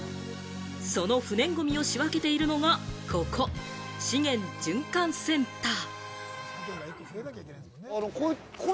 その不燃ごみを仕分けているのが、ここ資源循環センター。